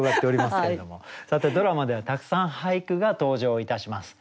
さてドラマではたくさん俳句が登場いたします。